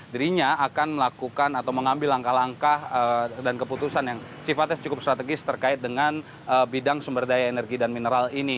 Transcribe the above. dirinya akan melakukan atau mengambil langkah langkah dan keputusan yang sifatnya cukup strategis terkait dengan bidang sumber daya energi dan mineral ini